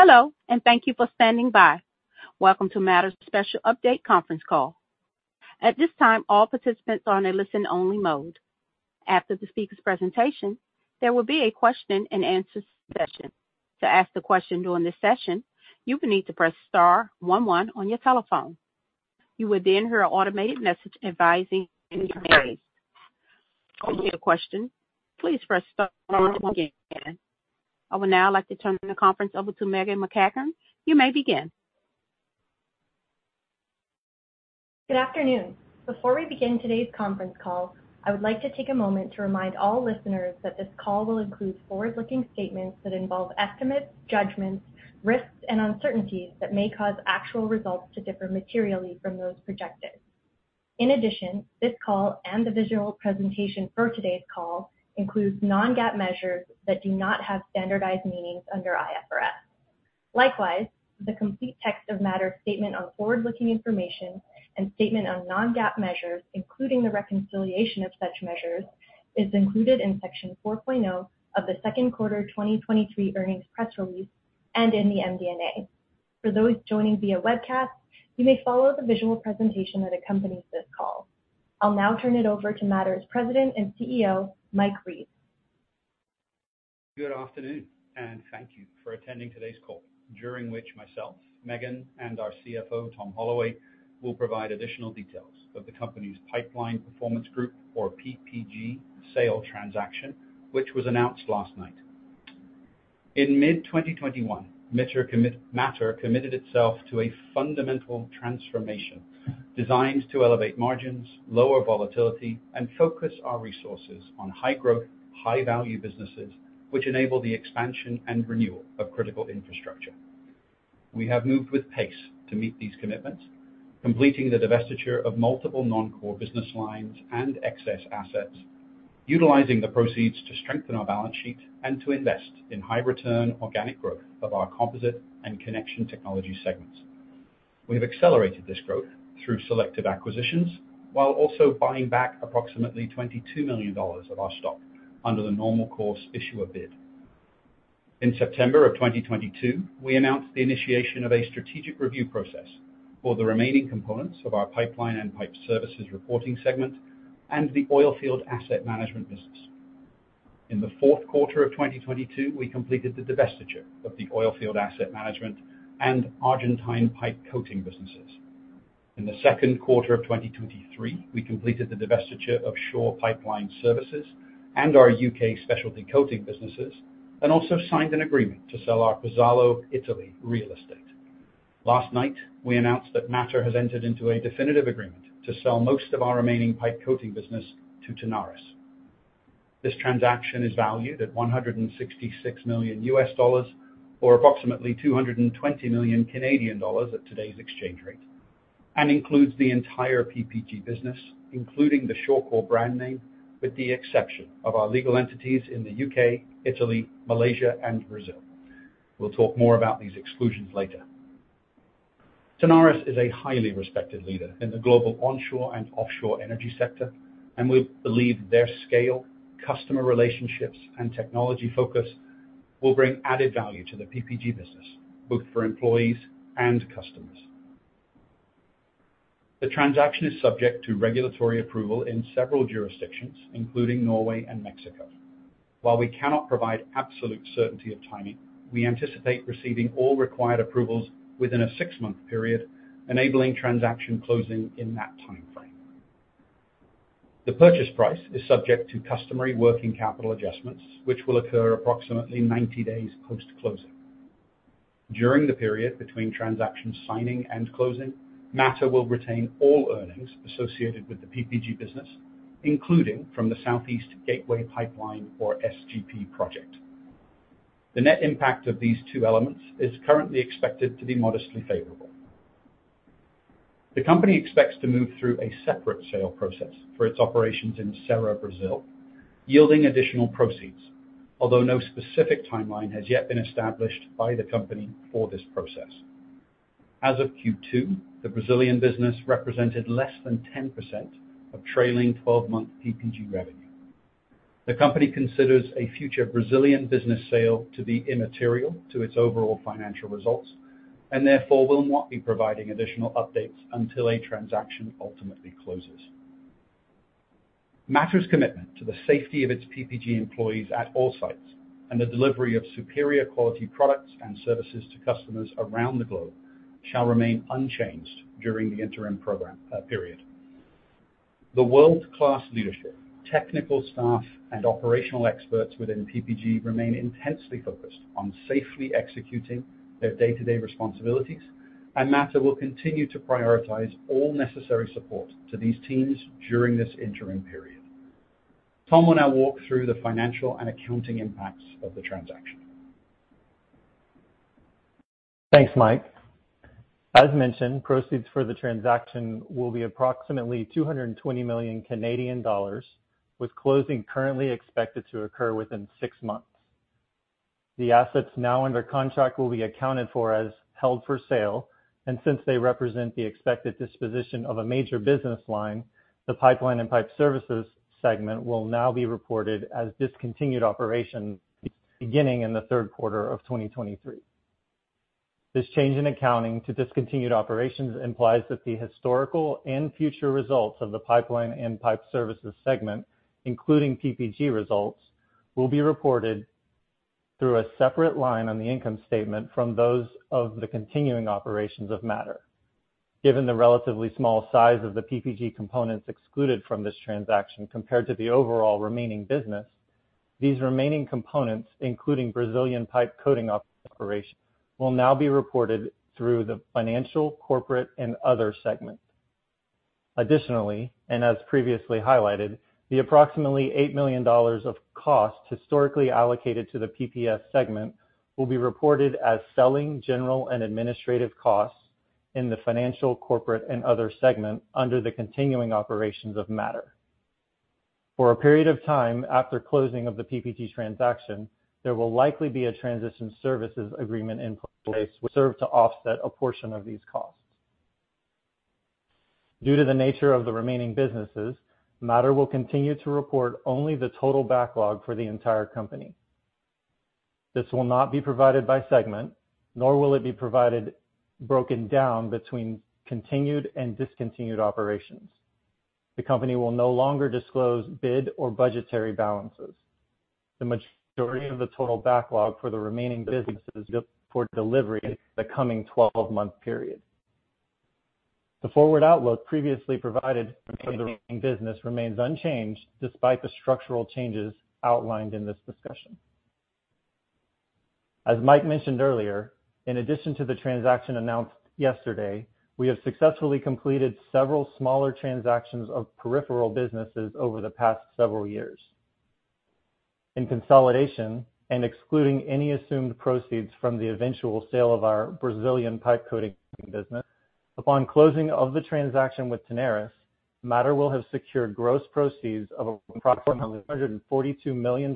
Hello. Thank you for standing by. Welcome to Mattr's Special Update conference call. At this time, all participants are in a listen-only mode. After the speaker's presentation, there will be a question-and-answer session. To ask the question during this session, you will need to press star one one on your telephone. You will then hear an automated message advising you. To ask a question, please press star one again. I would now like to turn the conference over to Meghan MacEachern. You may begin. Good afternoon. Before we begin today's conference call, I would like to take a moment to remind all listeners that this call will include forward-looking statements that involve estimates, judgments, risks, and uncertainties that may cause actual results to differ materially from those projected. In addition, this call and the visual presentation for today's call includes non-GAAP measures that do not have standardized meanings under IFRS. Likewise, the complete text of Mattr's statement on forward-looking information and statement on non-GAAP measures, including the reconciliation of such measures, is included in Section 4.0 of the second quarter 2023 earnings press release and in the MD&A. For those joining via webcast, you may follow the visual presentation that accompanies this call. I'll now turn it over to Mattr's President and CEO, Mike Reeves. Good afternoon, and thank you for attending today's call, during which myself, Meghan MacEachern, and our CFO, Tom Holloway, will provide additional details of the company's Pipeline Performance Group, or PPG, sale transaction, which was announced last night. In mid-2021, Mattr committed itself to a fundamental transformation designed to elevate margins, lower volatility, and focus our resources on high-growth, high-value businesses, which enable the expansion and renewal of critical infrastructure. We have moved with pace to meet these commitments, completing the divestiture of multiple non-core business lines and excess assets, utilizing the proceeds to strengthen our balance sheet and to invest in high-return organic growth of our Composite Technologies and Connection Technologies segments. We have accelerated this growth through selective acquisitions, while also buying back approximately 22 million dollars of our stock under the Normal Course Issuer Bid. In September of 2022, we announced the initiation of a strategic review process for the remaining components of our Pipeline and Pipe Services reporting segment and the Oilfield Asset Management business. In the 4th quarter of 2022, we completed the divestiture of the Oilfield Asset Management and Argentine pipe coating businesses. In the 2nd quarter of 2023, we completed the divestiture of Shaw Pipeline Services and our U.K. specialty coating businesses and also signed an agreement to sell our Pozzallo, Italy, real estate. Last night, we announced that Mattr has entered into a definitive agreement to sell most of our remaining pipe coating business to Tenaris. This transaction is valued at $166 million, or approximately 220 million Canadian dollars at today's exchange rate, includes the entire PPG business, including the Shawcor brand name, with the exception of our legal entities in the UK, Italy, Malaysia, and Brazil. We'll talk more about these exclusions later. Tenaris is a highly respected leader in the global onshore and offshore energy sector, we believe their scale, customer relationships, and technology focus will bring added value to the PPG business, both for employees and customers. The transaction is subject to regulatory approval in several jurisdictions, including Norway and Mexico. While we cannot provide absolute certainty of timing, we anticipate receiving all required approvals within a six-month period, enabling transaction closing in that time frame. The purchase price is subject to customary working capital adjustments, which will occur approximately 90 days post-closing. During the period between transaction signing and closing, Mattr will retain all earnings associated with the PPG business, including from the Southeast Gateway Pipeline, or SGP, project. The net impact of these two elements is currently expected to be modestly favorable. The company expects to move through a separate sale process for its operations in Serra, Brazil, yielding additional proceeds, although no specific timeline has yet been established by the company for this process. As of Q2, the Brazilian business represented less than 10% of trailing 12-month PPG revenue. The company considers a future Brazilian business sale to be immaterial to its overall financial results and therefore will not be providing additional updates until a transaction ultimately closes. Mattr's commitment to the safety of its PPG employees at all sites and the delivery of superior quality products and services to customers around the globe shall remain unchanged during the interim program, period. The world-class leadership, technical staff, and operational experts within PPG remain intensely focused on safely executing their day-to-day responsibilities, and Mattr will continue to prioritize all necessary support to these teams during this interim period. Tom will now walk through the financial and accounting impacts of the transaction. Thanks, Mike. As mentioned, proceeds for the transaction will be approximately 220 million Canadian dollars, with closing currently expected to occur within 6 months. The assets now under contract will be accounted for as held for sale, and since they represent the expected disposition of a major business line, the Pipeline and Pipe Services segment will now be reported as discontinued operations beginning in the third quarter of 2023. This change in accounting to discontinued operations implies that the historical and future results of the Pipeline and Pipe Services segment, including PPG results, will be reported through a separate line on the income statement from those of the continuing operations of Mattr. Given the relatively small size of the PPG components excluded from this transaction compared to the overall remaining business, these remaining components, including Brazilian pipe coating operations, will now be reported through the financial, corporate, and other segments. Additionally, and as previously highlighted, the approximately $8 million of costs historically allocated to the PPS segment will be reported as Selling, General and Administrative costs in the financial, corporate, and other segment under the continuing operations of Mattr. For a period of time after closing of the PPG transaction, there will likely be a transition services agreement in place, which serve to offset a portion of these costs. Due to the nature of the remaining businesses, Mattr will continue to report only the total backlog for the entire company. This will not be provided by segment, nor will it be provided, broken down between continued and discontinued operations. The company will no longer disclose bid or budgetary balances. The majority of the total backlog for the remaining businesses is for delivery in the coming 12-month period. The forward outlook previously provided for the remaining business remains unchanged, despite the structural changes outlined in this discussion. As Mike mentioned earlier, in addition to the transaction announced yesterday, we have successfully completed several smaller transactions of peripheral businesses over the past several years. In consolidation and excluding any assumed proceeds from the eventual sale of our Brazilian pipe coating business, upon closing of the transaction with Tenaris, Mattr will have secured gross proceeds of approximately $142 million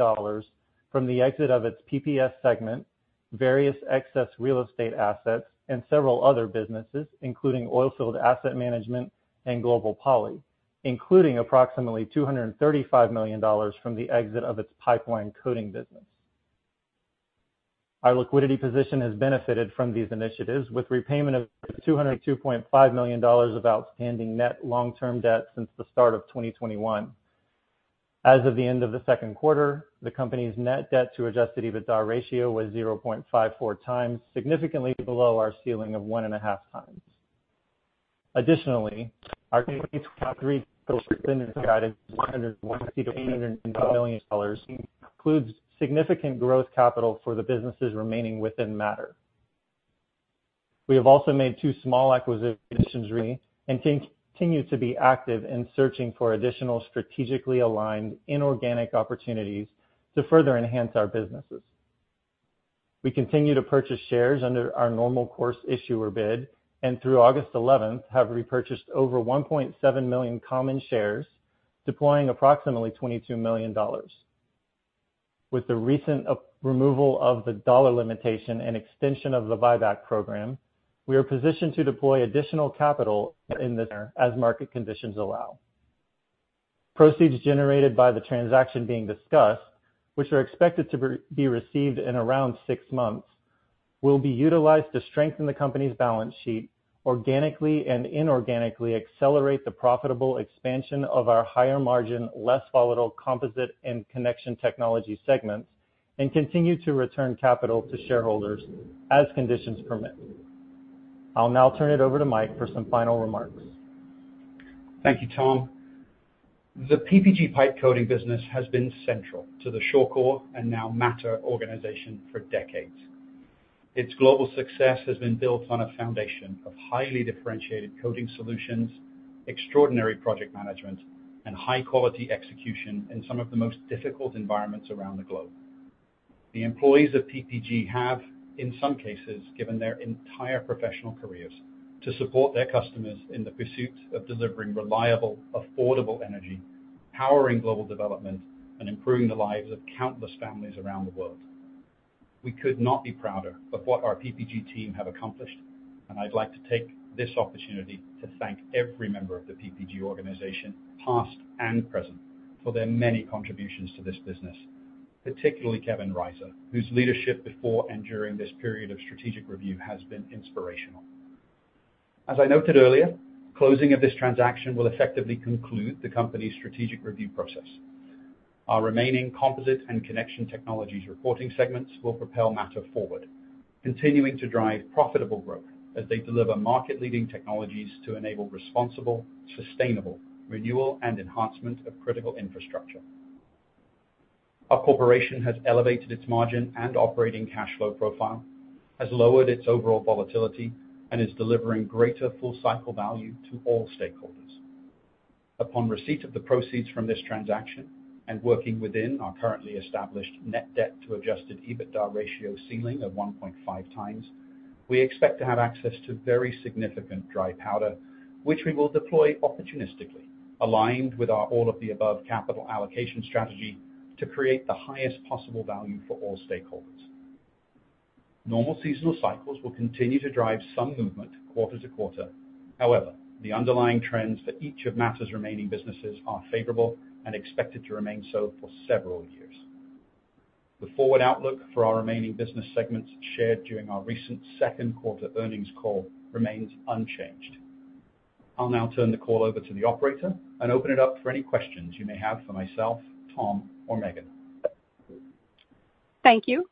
from the exit of its PPS segment, various excess real estate assets and several other businesses, including Oilfield Asset Management and Global Poly, including approximately $235 million from the exit of its pipeline coating business. Our liquidity position has benefited from these initiatives, with repayment of $202.5 million of outstanding net long-term debt since the start of 2021. As of the end of the second quarter, the company's Net debt to Adjusted EBITDA ratio was 0.54x, significantly below our ceiling of 1.5x. Our 2023 guidance, $100–$100 and million dollars, includes significant growth capital for the businesses remaining within Mattr. We have also made two small acquisitions recently and continue to be active in searching for additional strategically aligned inorganic opportunities to further enhance our businesses. We continue to purchase shares under our Normal Course Issuer Bid, and through August 11th, have repurchased over 1.7 million common shares, deploying approximately $22 million. With the recent removal of the dollar limitation and extension of the buyback program, we are positioned to deploy additional capital in the year as market conditions allow. Proceeds generated by the transaction being discussed, which are expected to be received in around six months, will be utilized to strengthen the company's balance sheet organically and inorganically, accelerate the profitable expansion of our higher margin, less volatile Composite and Connection Technologies segments, and continue to return capital to shareholders as conditions permit. I'll now turn it over to Mike for some final remarks. Thank you, Tom. The PPG pipe coating business has been central to the Shawcor and now Mattr organization for decades. Its global success has been built on a foundation of highly differentiated coating solutions, extraordinary project management, and high-quality execution in some of the most difficult environments around the globe. The employees of PPG have, in some cases, given their entire professional careers to support their customers in the pursuit of delivering reliable, affordable energy, powering global development, and improving the lives of countless families around the world. We could not be prouder of what our PPG team have accomplished, and I'd like to take this opportunity to thank every member of the PPG organization, past and present, for their many contributions to this business, particularly Kevin Reizer, whose leadership before and during this period of strategic review has been inspirational. As I noted earlier, closing of this transaction will effectively conclude the company's strategic review process. Our remaining Composite Technologies and Connection Technologies reporting segments will propel Mattr forward, continuing to drive profitable growth as they deliver market-leading technologies to enable responsible, sustainable, renewal and enhancement of critical infrastructure. Our corporation has elevated its margin and operating cash flow profile, has lowered its overall volatility, and is delivering greater full cycle value to all stakeholders. Upon receipt of the proceeds from this transaction, and working within our currently established Net debt to Adjusted EBITDA ratio ceiling of 1.5x, we expect to have access to very significant dry powder, which we will deploy opportunistically, aligned with our all of the above capital allocation strategy to create the highest possible value for all stakeholders. Normal seasonal cycles will continue to drive some movement quarter to quarter. However, the underlying trends for each of Mattr's remaining businesses are favorable and expected to remain so for several years. The forward outlook for our remaining business segments shared during our recent second quarter earnings call remains unchanged. I'll now turn the call over to the operator and open it up for any questions you may have for myself, Tom, or Meghan. Thank you.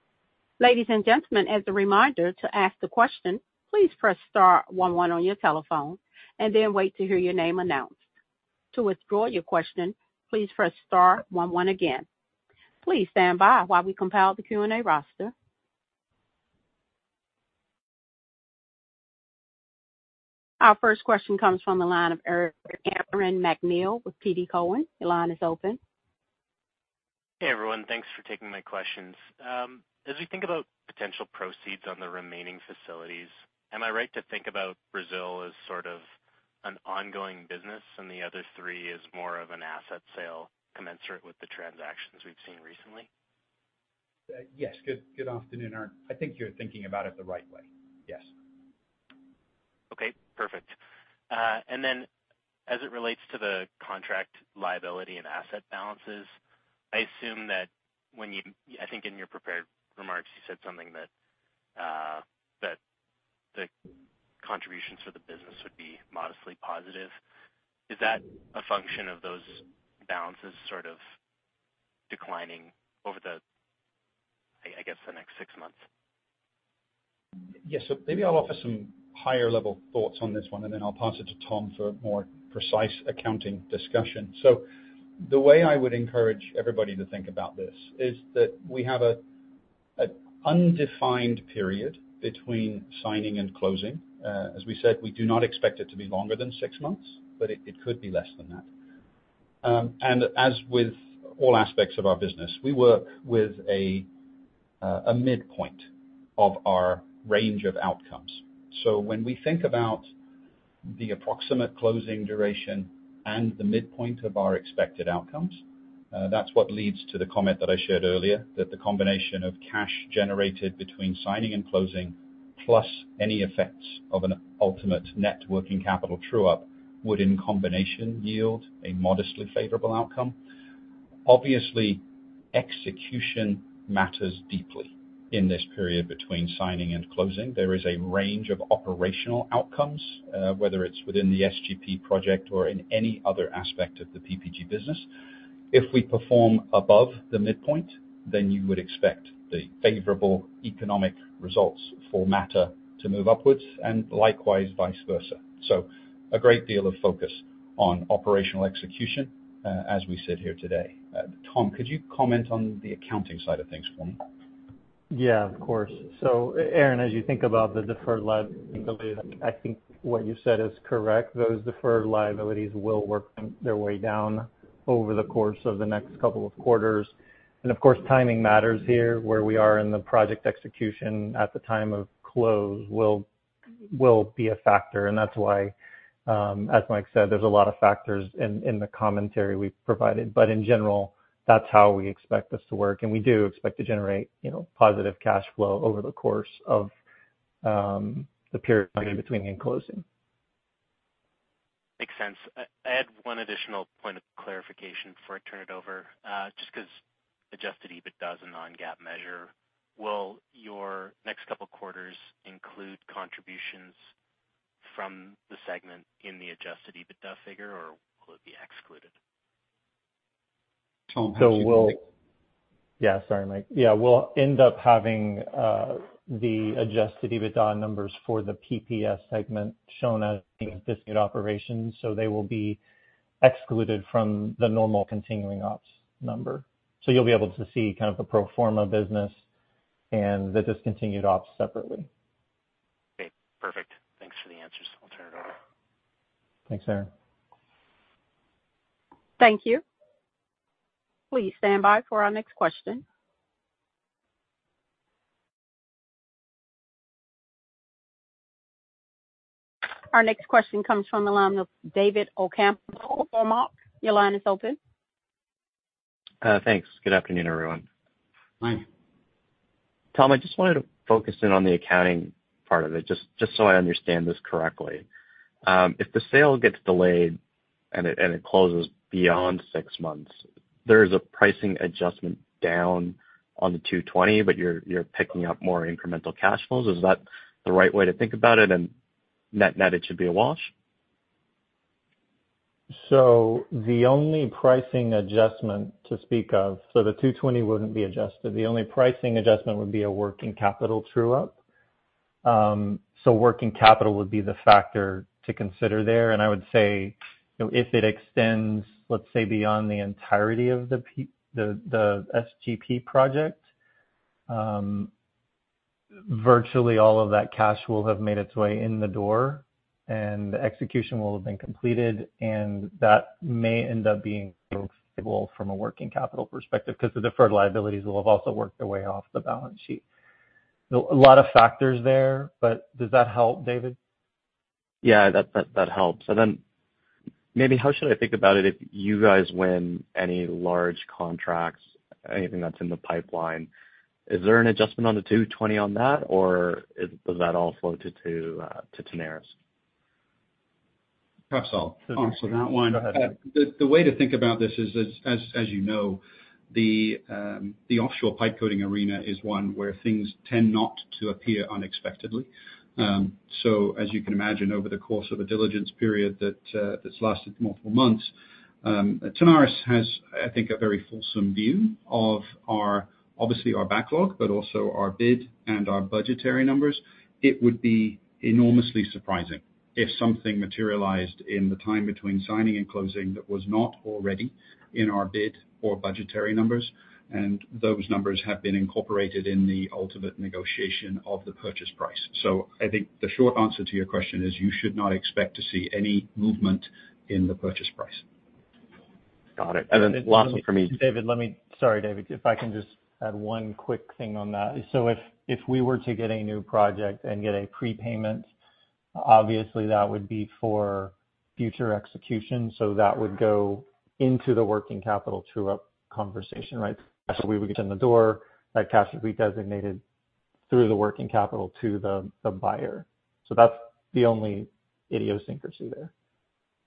Ladies and gentlemen, as a reminder, to ask the question, please press star one one on your telephone and then wait to hear your name announced. To withdraw your question, please press star one one again. Please stand by while we compile the Q&A roster. Our first question comes from the line of Aaron MacNeil with TD Cowen. Your line is open. Hey, everyone. Thanks for taking my questions. As we think about potential proceeds on the remaining facilities, am I right to think about Brazil as sort of an ongoing business and the other three as more of an asset sale commensurate with the transactions we've seen recently? Yes. Good, good afternoon, Aaron. I think you're thinking about it the right way. Yes. Okay, perfect. As it relates to the contract liability and asset balances, I assume that when you-- I think in your prepared remarks, you said something that the contributions for the business would be modestly positive. Is that a function of those balances sort of declining over the next six months? Yes. Maybe I'll offer some higher-level thoughts on this one, and then I'll pass it to Tom for a more precise accounting discussion. The way I would encourage everybody to think about this is that we have an undefined period between signing and closing. As we said, we do not expect it to be longer than 6 months, but it, it could be less than that. And as with all aspects of our business, we work with a midpoint of our range of outcomes. When we think about the approximate closing duration and the midpoint of our expected outcomes, that's what leads to the comment that I shared earlier, that the combination of cash generated between signing and closing, plus any effects of an ultimate working capital true-up, would, in combination, yield a modestly favorable outcome. Obviously, execution matters deeply in this period between signing and closing. There is a range of operational outcomes, whether it's within the SGP project or in any other aspect of the PPG business. If we perform above the midpoint, then you would expect the favorable economic results for Mattr to move upwards, and likewise, vice versa. A great deal of focus on operational execution, as we sit here today. Tom, could you comment on the accounting side of things for me? Yeah, of course. Aaron, as you think about the deferred liability, I think what you said is correct. Those deferred liabilities will work their way down over the course of the next couple of quarters. Of course, timing matters here. Where we are in the project execution at the time of close will, will be a factor, and that's why, as Mike said, there's a lot of factors in, in the commentary we've provided. In general, that's how we expect this to work, and we do expect to generate, you know, positive cash flow over the course of the period between and closing. Makes sense. I had 1 additional point of clarification before I turn it over. Just because Adjusted EBITDA is a non-GAAP measure, will your next couple of quarters include contributions from the segment in the Adjusted EBITDA figure, or will it be excluded? Tom, maybe- Sorry, Mike. Yeah, we'll end up having the Adjusted EBITDA numbers for the PPS segment shown as Discontinued Operations, so they will be excluded from the normal continuing ops number. You'll be able to see kind of the pro forma business and the Discontinued Operations separately. Okay, perfect. Thanks for the answers. I'll turn it over. Thanks, Aaron. Thank you. Please stand by for our next question. Our next question comes from the line of David Ocampo, Cormark. Your line is open. Thanks. Good afternoon, everyone. Hi. Tom, I just wanted to focus in on the accounting part of it, just, just so I understand this correctly. If the sale gets delayed and it, and it closes beyond six months, there is a pricing adjustment down on the 220, but you're, you're picking up more incremental cash flows. Is that the right way to think about it, and net, net, it should be a wash? The only pricing adjustment to speak of, so the 220 wouldn't be adjusted. The only pricing adjustment would be a working capital true-up. So working capital would be the factor to consider there, and I would say, you know, if it extends, let's say, beyond the entirety of the SGP project, virtually all of that cash will have made its way in the door, and the execution will have been completed, and that may end up being favorable from a working capital perspective because the deferred liabilities will have also worked their way off the balance sheet. A lot of factors there, but does that help, David? Yeah, that, that, that helps. Then maybe how should I think about it if you guys win any large contracts, anything that's in the pipeline? Is there an adjustment on the 220 on that, or does that all flow to, to Tenaris? Perhaps I'll answer that one. Go ahead. The, the way to think about this is as, as, as you know, the offshore pipe coating arena is one where things tend not to appear unexpectedly. As you can imagine, over the course of a diligence period that, that's lasted multiple months, Tenaris has, I think, a very fulsome view of our, obviously our backlog, but also our bid and our budgetary numbers. It would be enormously surprising if something materialized in the time between signing and closing that was not already in our bid or budgetary numbers, and those numbers have been incorporated in the ultimate negotiation of the purchase price. I think the short answer to your question is you should not expect to see any movement in the purchase price. Got it. Lastly for me. David, let me-- Sorry, David, if I can just add one quick thing on that. If, if we were to get a new project and get a prepayment, obviously that would be for future execution, so that would go into the working capital true-up conversation, right? We would get in the door, that cash would be designated through the working capital to the, the buyer. That's the only idiosyncrasy there.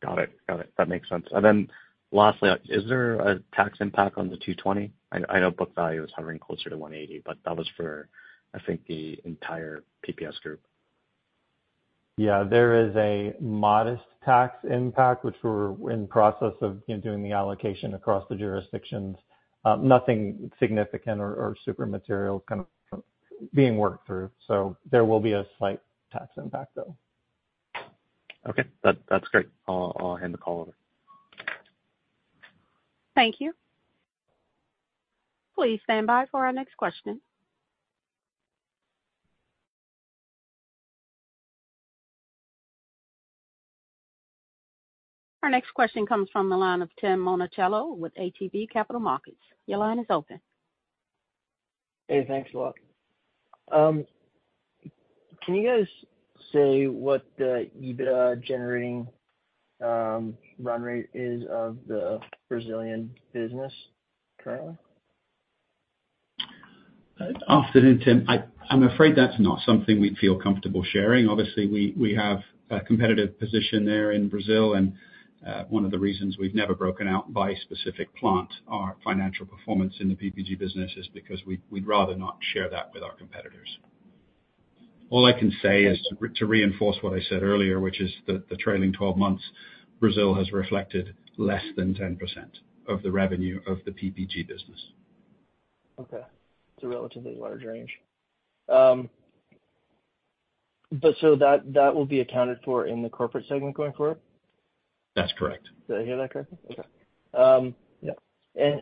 Got it. Got it. That makes sense. Then lastly, is there a tax impact on the 220? I know book value is hovering closer to 180, but that was for, I think, the entire PPS group. There is a modest tax impact, which we're in process of, you know, doing the allocation across the jurisdictions. Nothing significant or, or super material kind of being worked through. There will be a slight tax impact, though. Okay. That, that's great. I'll, I'll hand the call over. Thank you. Please stand by for our next question. Our next question comes from the line of Tim Monachello with ATB Capital Markets. Your line is open. Hey, thanks a lot. Can you guys say what the EBITDA generating run rate is of the Brazilian business currently? Afternoon, Tim. I, I'm afraid that's not something we feel comfortable sharing. Obviously, we, we have a competitive position there in Brazil, and one of the reasons we've never broken out by specific plant our financial performance in the PPG business is because we'd, we'd rather not share that with our competitors. All I can say is to, to reinforce what I said earlier, which is that the trailing 12 months, Brazil has reflected less than 10% of the revenue of the PPG business. Okay. It's a relatively large range. That, that will be accounted for in the corporate segment going forward? That's correct. Did I hear that correctly? Okay. Yeah,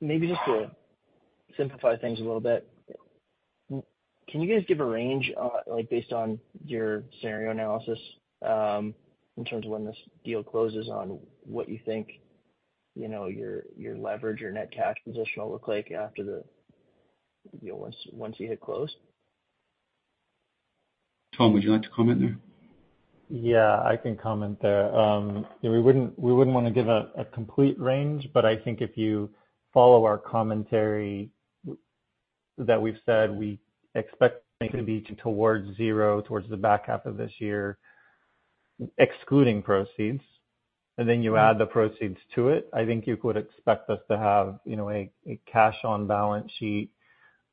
maybe just to simplify things a little bit, can you guys give a range, like, based on your scenario analysis, in terms of when this deal closes on what you think, you know, your, your leverage, your net cash position will look like after the deal once, once you hit close? Tom, would you like to comment there? Yeah, I can comment there. Yeah, we wouldn't, we wouldn't want to give a, a complete range, but I think if you follow our commentary that we've said, we expect it to be towards zero, towards the back half of this year, excluding proceeds, and then you add the proceeds to it, I think you could expect us to have, you know, a, a cash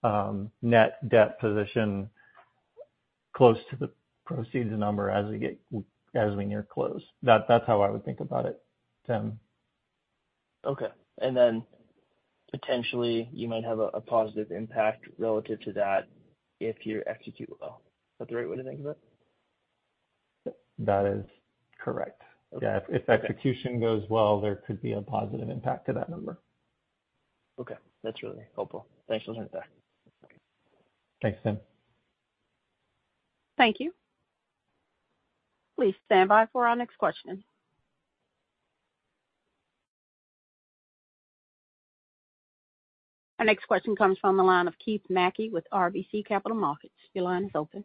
on balance sheet, net debt position close to the proceeds number as we get, as we near close. That, that's how I would think about it, Tim. Okay. Then potentially you might have a positive impact relative to that if you execute well. Is that the right way to think of it? That is correct. Okay. Yeah, if, if execution goes well, there could be a positive impact to that number. Okay. That's really helpful. Thanks for sharing that. Thanks, Tim. Thank you. Please stand by for our next question. Our next question comes from the line of Keith Mackey with RBC Capital Markets. Your line is open.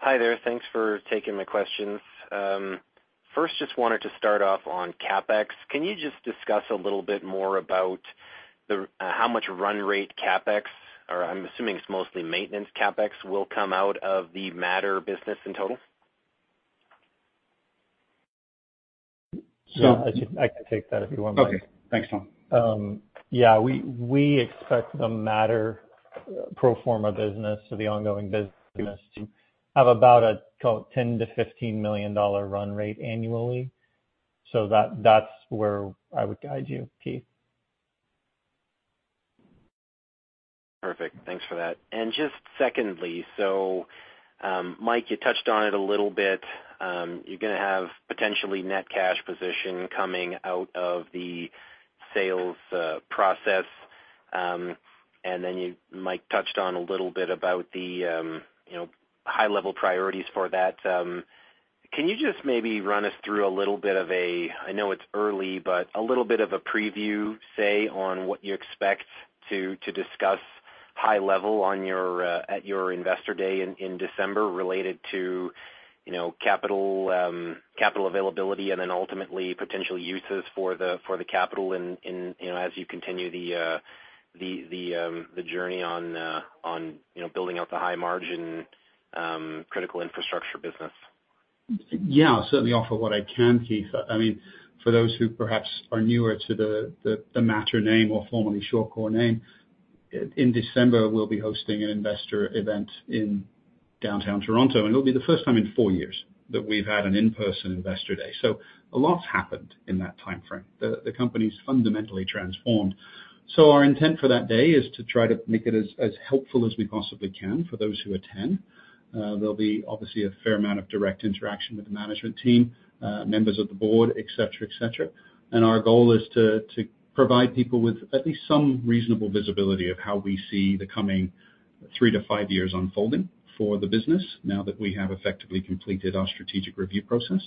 Hi there. Thanks for taking my questions. First, just wanted to start off on CapEx. Can you just discuss a little bit more about the, how much run rate CapEx, or I'm assuming it's mostly maintenance CapEx, will come out of the Mattr business in total? I can take that if you want me. Okay. Thanks, Tom. Yeah, we, we expect the Mattr pro forma business, so the ongoing business, to have about a 10 million–15 million dollar run rate annually. That, that's where I would guide you, Keith. Perfect. Thanks for that. Just secondly, Mike, you touched on it a little bit. You're gonna have potentially net cash position coming out of the sales process. You, Mike, touched on a little bit about the, you know, high-level priorities for that. Can you just maybe run us through a little bit of a, I know it's early, but a little bit of a preview, say, on what you expect to discuss high level on your at your Investor Day in December related to, you know, capital, capital availability, and then ultimately potential uses for the capital in, you know, as you continue the journey on, you know, building out the high margin critical infrastructure business? Yeah, I'll certainly offer what I can, Keith. I, I mean, for those who perhaps are newer to the Mattr name or formerly Shawcor name, in December, we'll be hosting an investor event in downtown Toronto, and it'll be the first time in four years that we've had an in-person investor day. A lot's happened in that timeframe. The company's fundamentally transformed. Our intent for that day is to try to make it as, as helpful as we possibly can for those who attend. There'll be obviously a fair amount of direct interaction with the management team, members of the board, et cetera, et cetera. Our goal is to, to provide people with at least some reasonable visibility of how we see the coming 3–5 years unfolding for the business now that we have effectively completed our strategic review process.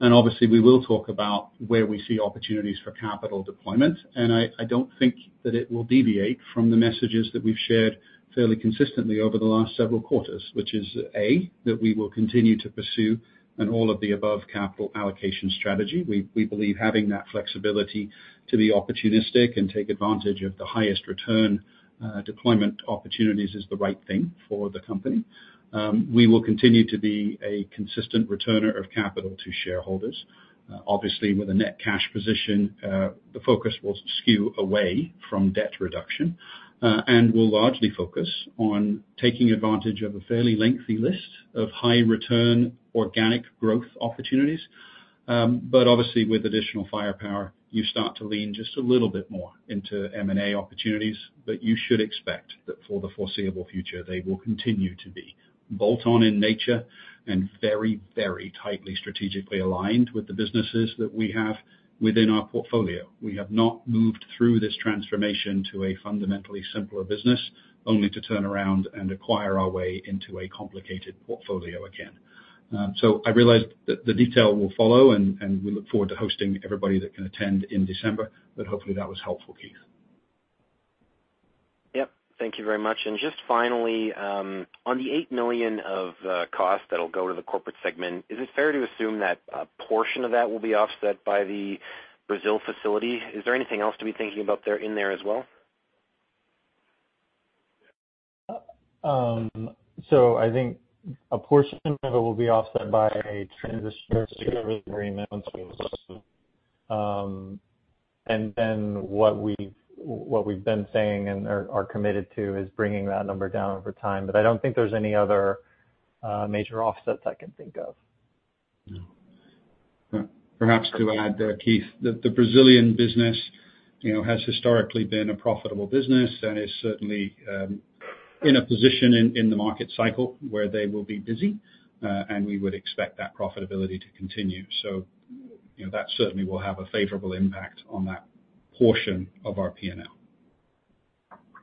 Obviously, we will talk about where we see opportunities for capital deployment. I, I don't think that it will deviate from the messages that we've shared fairly consistently over the last several quarters, which is, A, that we will continue to pursue an all-of-the-above capital allocation strategy. We, we believe having that flexibility to be opportunistic and take advantage of the highest return deployment opportunities is the right thing for the company. We will continue to be a consistent returner of capital to shareholders. Obviously, with a net cash position, the focus will skew away from debt reduction, and will largely focus on taking advantage of a fairly lengthy list of high return organic growth opportunities. Obviously, with additional firepower, you start to lean just a little bit more into M&A opportunities, but you should expect that for the foreseeable future, they will continue to be bolt-on in nature and very, very tightly strategically aligned with the businesses that we have within our portfolio. We have not moved through this transformation to a fundamentally simpler business, only to turn around and acquire our way into a complicated portfolio again. I realize that the detail will follow, and we look forward to hosting everybody that can attend in December, but hopefully that was helpful, Keith. Yep. Thank you very much. Just finally, on the 8 million of costs that'll go to the corporate segment, is it fair to assume that a portion of that will be offset by the Brazil facility? Is there anything else to be thinking about there, in there as well? I think a portion of it will be offset by a transition services agreement. Then what we've, what we've been saying and are, are committed to, is bringing that number down over time. I don't think there's any other major offsets I can think of. Yeah. Perhaps to add there, Keith, the Brazilian business, you know, has historically been a profitable business and is certainly, in a position in the market cycle where they will be busy, and we would expect that profitability to continue. You know, that certainly will have a favorable impact on that portion of our P&L.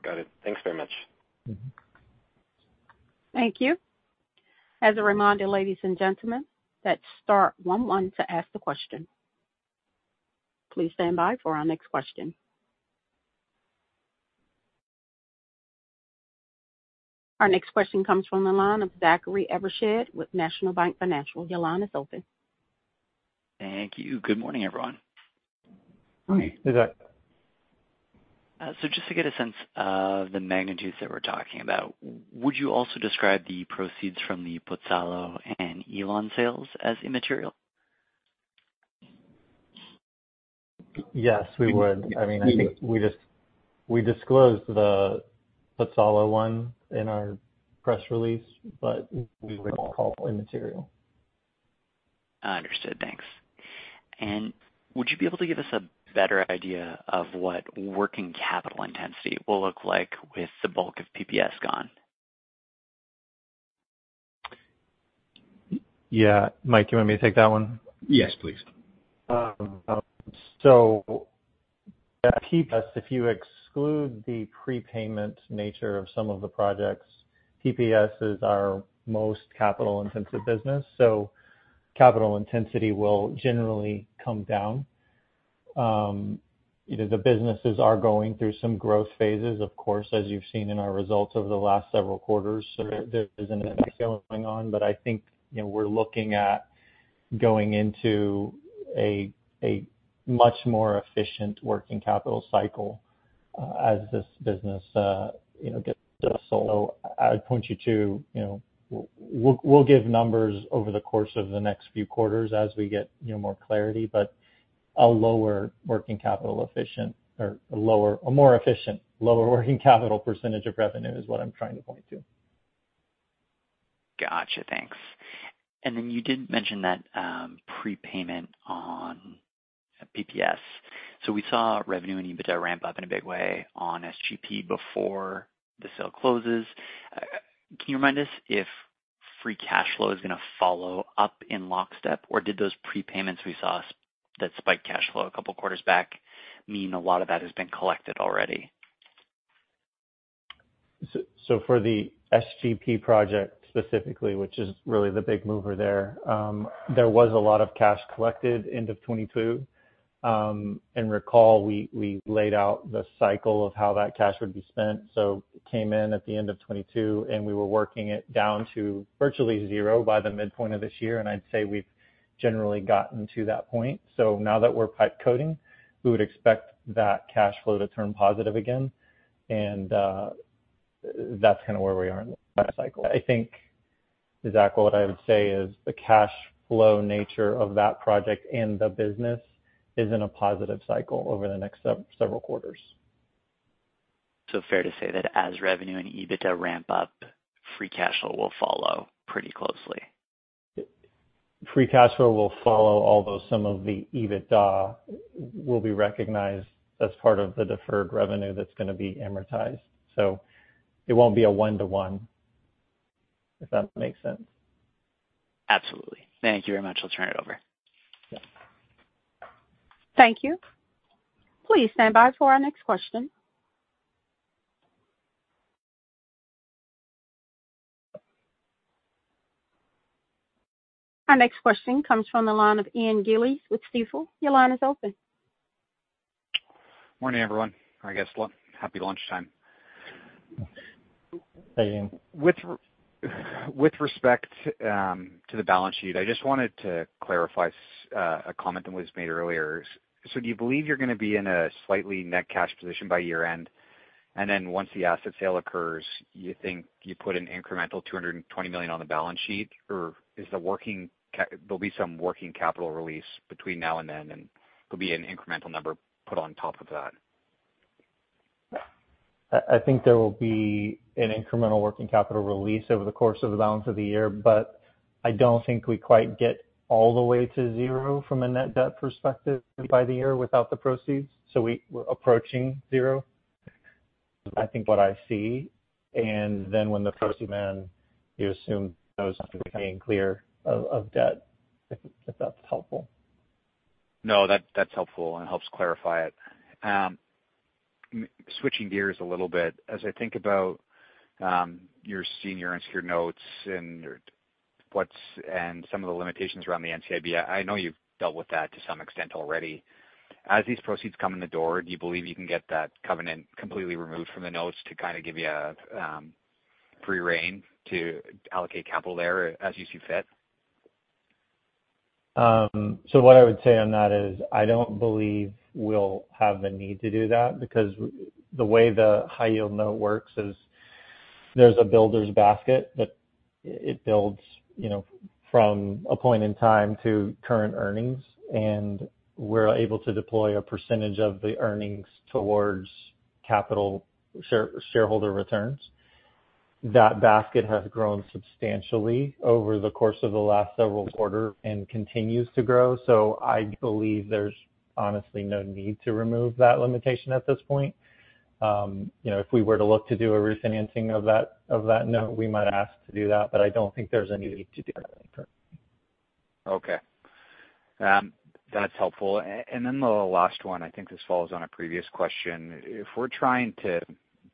Got it. Thanks very much. Mm-hmm. Thank you. As a reminder, ladies and gentlemen, that's star one one to ask the question. Please stand by for our next question. Our next question comes from the line of Zachary Evershed with National Bank Financial. Your line is open. Thank you. Good morning, everyone. Hi, Zach. Just to get a sense of the magnitudes that we're talking about, would you also describe the proceeds from the Pozzallo and Ellon sales as immaterial? Yes, we would. I mean, I think we disclosed the Pozzallo one in our press release, but we would call it immaterial. Understood. Thanks. Would you be able to give us a better idea of what working capital intensity will look like with the bulk of PPS gone? Yeah. Mike, you want me to take that one? Yes, please. PPS, if you exclude the prepayment nature of some of the projects, PPS is our most capital-intensive business, so capital intensity will generally come down. You know, the businesses are going through some growth phases, of course, as you've seen in our results over the last several quarters. There, there is an effect going on, but I think, you know, we're looking at going into a, a much more efficient working capital cycle, as this business, you know, gets solo. I'd point you to, you know. We'll, we'll give numbers over the course of the next few quarters as we get, you know, more clarity, but a lower working capital efficient or a lower-- a more efficient, lower working capital percentage of revenue is what I'm trying to point to. Gotcha. Thanks. You did mention that prepayment on PPS. We saw revenue and EBITDA ramp up in a big way on SGP before the sale closes. Can you remind us if free cash flow is gonna follow up in lockstep, or did those prepayments we saw that spike cash flow a couple quarters back mean a lot of that has been collected already? So for the SGP project specifically, which is really the big mover there, there was a lot of cash collected end of 2022. Recall, we, we laid out the cycle of how that cash would be spent. It came in at the end of 2022, and we were working it down to virtually zero by the midpoint of this year. I'd say we've generally gotten to that point. Now that we're pipe coating, we would expect that cash flow to turn positive again. That's kind of where we are in the cycle. I think, exactly what I would say is the cash flow nature of that project and the business is in a positive cycle over the next several quarters. Fair to say that as revenue and EBITDA ramp up, free cash flow will follow pretty closely? Free cash flow will follow, although some of the EBITDA will be recognized as part of the deferred revenue that's gonna be amortized. It won't be a 1-to-1, if that makes sense. Abso lutely. Thank you very much. I'll turn it over. Thank you. Please stand by for our next question. Our next question comes from the line of Ian Gillies with Stifel. Your line is open. Morning, everyone, I guess, well, happy lunchtime. Hey, Ian. With with respect to the balance sheet, I just wanted to clarify a comment that was made earlier. Do you believe you're gonna be in a slightly net cash position by year-end? Once the asset sale occurs, you think you put an incremental $220 million on the balance sheet, or is the working capital there'll be some working capital release between now and then, and there'll be an incremental number put on top of that? I think there will be an incremental working capital release over the course of the balance of the year, but I don't think we quite get all the way to zero from a net debt perspective by the year without the proceeds. We- we're approaching zero, I think what I see. When the proceeds come in, you assume those being clear of, of debt, if, if that's helpful. No, that, that's helpful, and it helps clarify it. Switching gears a little bit. As I think about your senior unsecured notes and some of the limitations around the NCIB, I know you've dealt with that to some extent already. As these proceeds come in the door, do you believe you can get that covenant completely removed from the notes to kind of give you a free rein to allocate capital there as you see fit? What I would say on that is, I don't believe we'll have the need to do that because the way the high yield note works is there's a builder basket, that it builds, you know, from a point in time to current earnings, and we're able to deploy a percentage of the earnings towards capital shareholder returns. That basket has grown substantially over the course of the last several quarter and continues to grow. I believe there's honestly no need to remove that limitation at this point. You know, if we were to look to do a refinancing of that, of that note, we might ask to do that, but I don't think there's a need to do that. Okay. That's helpful. Then the last one, I think this follows on a previous question. If we're trying to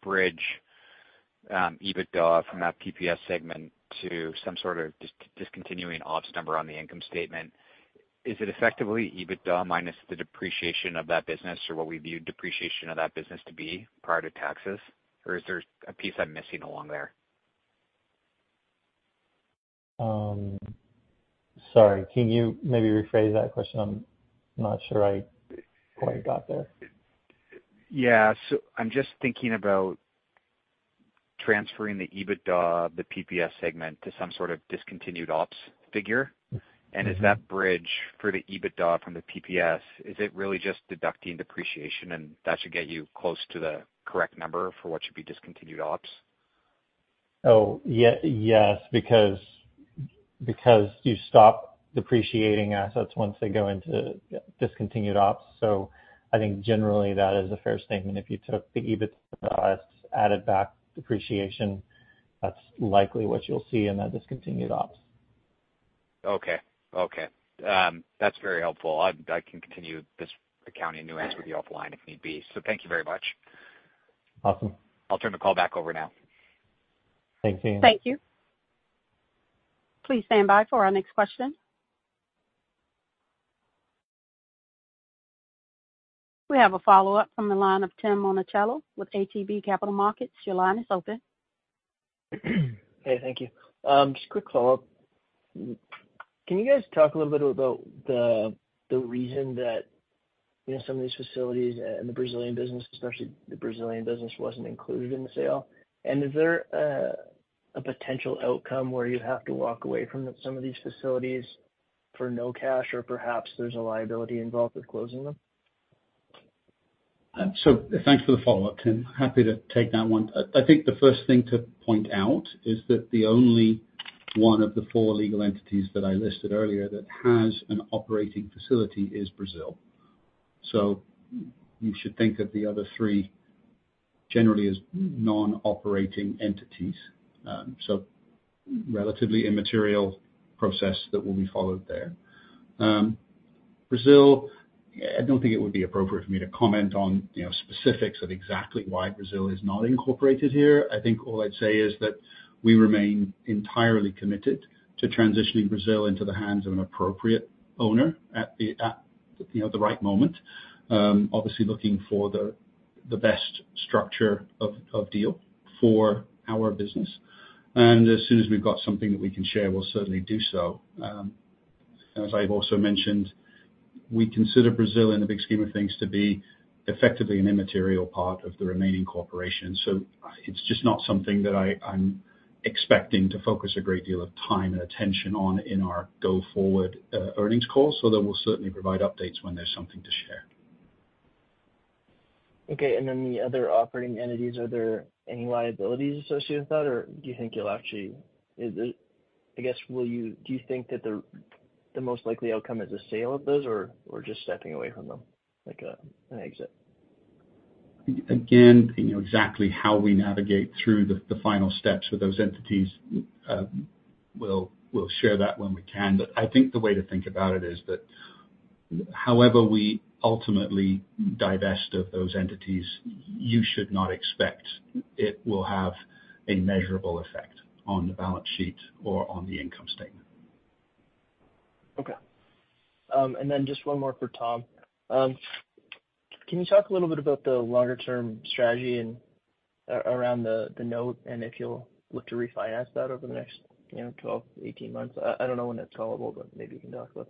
bridge EBITDA from that PPS segment to some sort of discontinuing ops number on the income statement, is it effectively EBITDA minus the depreciation of that business or what we view depreciation of that business to be prior to taxes? Is there a piece I'm missing along there? Sorry, can you maybe rephrase that question? I'm not sure I quite got there. Yeah. I'm just thinking about transferring the EBITDA, the PPS segment, to some sort of discontinued ops figure. Mm-hmm. Is that bridge for the EBITDA from the PPS, is it really just deducting depreciation, and that should get you close to the correct number for what should be discontinued ops? Yes, because, because you stop depreciating assets once they go into discontinued ops. I think generally that is a fair statement. If you took the EBIT, added back depreciation, that's likely what you'll see in that discontinued ops. Okay. Okay, that's very helpful. I, I can continue this accounting nuance with you offline if need be. Thank you very much. Awesome. I'll turn the call back over now. Thanks, Ian. Thank you. Please stand by for our next question. We have a follow-up from the line of Tim Monachello with ATB Capital Markets. Your line is open. Hey, thank you. Just a quick follow-up. Can you guys talk a little bit about the reason that, you know, some of these facilities and the Brazilian business, especially the Brazilian business, wasn't included in the sale? Is there a potential outcome where you have to walk away from some of these facilities for no cash, or perhaps there's a liability involved with closing them? Thanks for the follow-up, Tim. Happy to take that one. I think the first thing to point out is that the only one of the four legal entities that I listed earlier that has an operating facility is Brazil. You should think of the other three generally as non-operating entities. Relatively immaterial process that will be followed there. Brazil, I don't think it would be appropriate for me to comment on, you know, specifics of exactly why Brazil is not incorporated here. I think all I'd say is that we remain entirely committed to transitioning Brazil into the hands of an appropriate owner at the, you know, right moment. Obviously, looking for the best structure of deal for our business. As soon as we've got something that we can share, we'll certainly do so. As I've also mentioned, we consider Brazil, in the big scheme of things, to be effectively an immaterial part of the remaining corporation. It's just not something that I, I'm expecting to focus a great deal of time and attention on in our go-forward, earnings calls, so that we'll certainly provide updates when there's something to share. Okay, the other operating entities, are there any liabilities associated with that? Do you think you'll actually, I guess, do you think that the most likely outcome is a sale of those, or just stepping away from them, like an exit? You know exactly how we navigate through the final steps with those entities, we'll share that when we can. I think the way to think about it is that however we ultimately divest of those entities, you should not expect it will have a measurable effect on the balance sheet or on the income statement. Okay. Then just one more for Tom. Can you talk a little bit about the longer term strategy around the, the note and if you'll look to refinance that over the next, you know, 12–18 months? I, I don't know when that's callable, but maybe you can talk about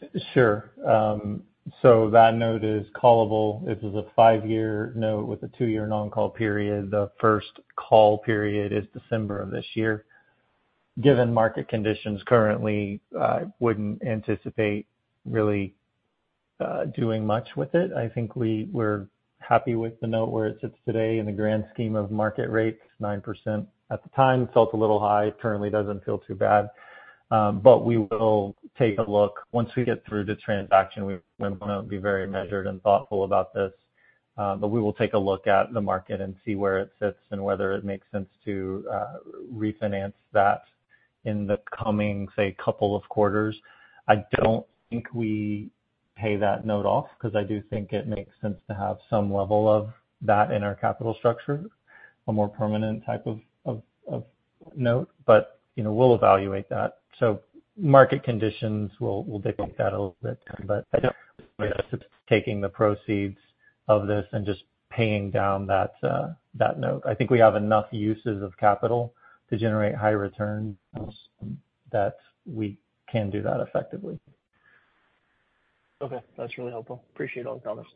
that. Sure. That note is callable. This is a 5-year note with a 2-year non-call period. The first call period is December of this year. Given market conditions currently, I wouldn't anticipate really doing much with it. I think we're happy with the note where it sits today in the grand scheme of market rates, 9%. At the time, it felt a little high, currently doesn't feel too bad. We will take a look. Once we get through the transaction, we wanna be very measured and thoughtful about this, we will take a look at the market and see where it sits and whether it makes sense to refinance that in the coming, say, couple of quarters. I don't think we pay that note off, 'cause I do think it makes sense to have some level of that in our capital structure, a more permanent type of, of, of note, but, you know, we'll evaluate that. Market conditions will, will dictate that a little bit, but I don't taking the proceeds of this and just paying down that, that note. I think we have enough uses of capital to generate high returns that we can do that effectively. Okay. That's really helpful. Appreciate all the comments.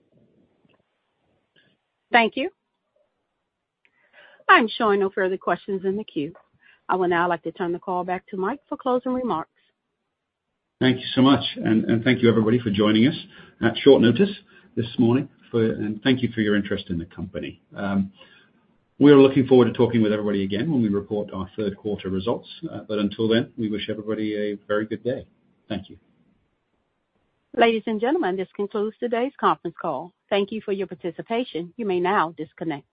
Thank you. I'm showing no further questions in the queue. I would now like to turn the call back to Mike for closing remarks. Thank you so much, and, and thank you, everybody, for joining us at short notice this morning. Thank you for your interest in the company. We are looking forward to talking with everybody again when we report our third quarter results. Until then, we wish everybody a very good day. Thank you. Ladies and gentlemen, this concludes today's conference call. Thank you for your participation. You may now disconnect.